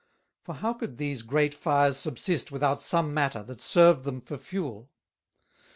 For how could these great Fires subsist without some matter, that served them for Fewel?